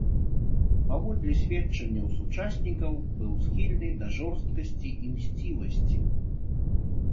Паводле сведчанняў сучаснікаў, быў схільны да жорсткасці і мсцівасці.